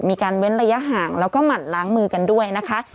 เว้นระยะห่างแล้วก็หมั่นล้างมือกันด้วยนะคะ